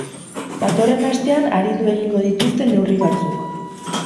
Datorren astean arindu egingo dituzte neurri batzuk.